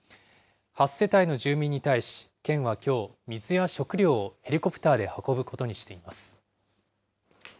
８世帯の住民に対し、県はきょう、水や食料をヘリコプターで運ぶことにしています。